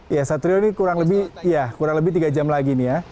ya satrio ini kurang lebih tiga jam lagi nih ya